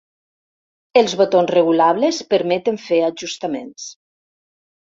Els botons regulables permeten fer ajustaments.